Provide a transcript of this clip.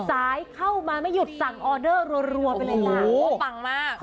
สายเข้ามาไม่หยุดสั่งออเดอร์รวรวมโอ้โหโอ้โหปังมาก